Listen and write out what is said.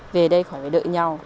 về đây khỏi phải đợi nhau